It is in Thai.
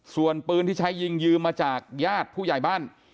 ส่วนปืนที่ใช้ยิงยืมมาจากญาติผู้ใหญ่บ้าน